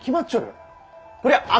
こりゃあ